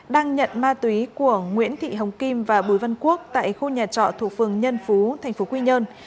đang nhận ma túy của nguyễn thị hồng kim và bùi văn quốc tại khu nhà trọ thuộc phường nhân phú tp quy nhơn